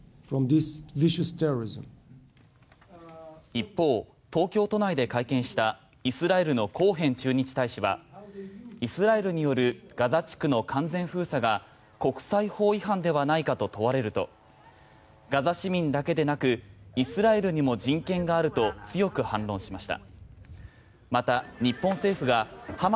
一方、東京都内で会見したイスラエルのコーヘン駐日大使はイスラエルによるガザ地区の完全封鎖が国際法違反ではないかと問われるとガザ市民だけでなくイスラエルにも人権があると強く反論しました。